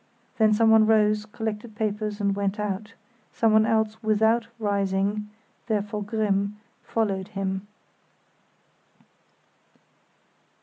Then someone rose, collected papers, and went out; someone else, without rising (therefore Grimm), followed him.